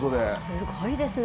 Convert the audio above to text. すごいですね。